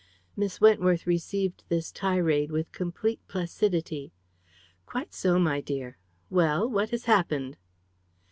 Miss Wentworth received this tirade with complete placidity. "Quite so, my dear. Well, what has happened?"